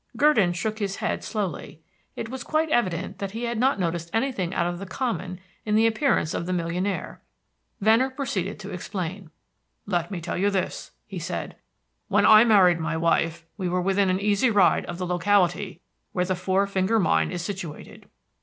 Gurdon shook his head slowly. It was quite evident that he had not noticed anything out of the common in the appearance of the millionaire. Venner proceeded to explain. "Let me tell you this," he said. "When I married my wife, we were within an easy ride of the locality where the Four Finger Mine is situated.